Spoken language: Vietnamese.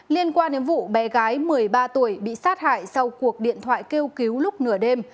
liên quan đến vụ bé gái một mươi ba tuổi bị sát hại sau cuộc điện thoại kêu cứu lúc nửa đêm